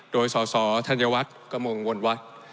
โดยศธัญวัฒน์กระมวงวลวัฒน์